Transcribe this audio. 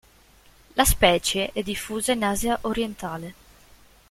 La specie è diffusa in Asia orientale.